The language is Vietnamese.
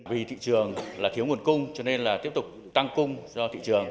vì thị trường là thiếu nguồn cung cho nên là tiếp tục tăng cung do thị trường